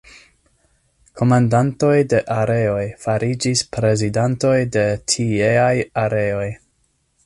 Komandantoj de areoj fariĝis prezidantoj de tieaj areoj.